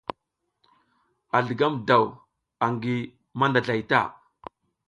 A zligam daw angi mandazlay ta.